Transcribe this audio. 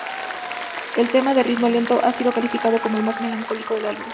El tema, de ritmo lento, ha sido calificado como el más melancólico del álbum.